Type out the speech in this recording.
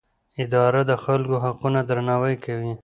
اداره د خلکو حقونه درناوی کوي.